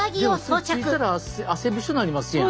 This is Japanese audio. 着いたら汗びしょなりますやん。